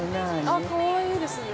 ◆あ、かわいいですね。